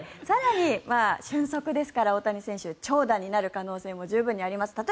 更に俊足ですから大谷選手長打になる可能性も十分にあります。